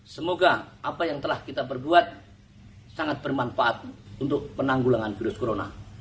semoga apa yang telah kita berbuat sangat bermanfaat untuk penanggulangan virus corona